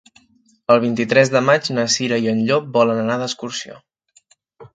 El vint-i-tres de maig na Cira i en Llop volen anar d'excursió.